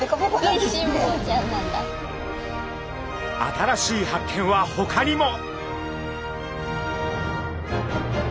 新しい発見はほかにも。